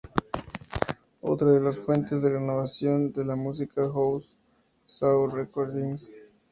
Otra de las fuentes de renovación de la música house fue "Saw Recordings".